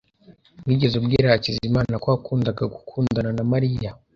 Wigeze ubwira Hakizimana ko wakundaga gukundana na Mariya?